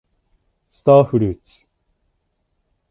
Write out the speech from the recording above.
スターフルーツ